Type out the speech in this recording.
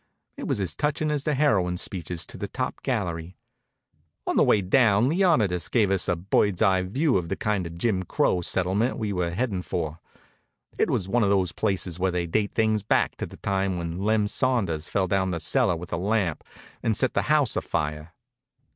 It was as touchin' as the heroine's speeches to the top gallery. On the way down Leonidas gave us a bird's eye view of the kind of Jim Crow settlement we were heading for. It was one of those places where they date things back to the time when Lem Saunders fell down cellar with a lamp and set the house afire.